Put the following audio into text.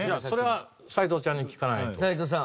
それは斎藤ちゃんに聞かないと。